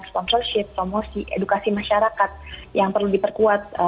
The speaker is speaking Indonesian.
sponsorship promosi edukasi masyarakat yang perlu diperkuat